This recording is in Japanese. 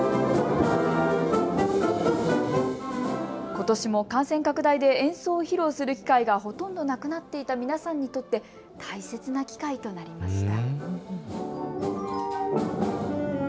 ことしも感染拡大で演奏を披露する機会がほとんどなくなっていた皆さんにとって大切な機会となりました。